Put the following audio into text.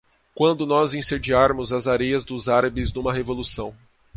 Quando nós incendiarmos as areias dos árabes numa revolução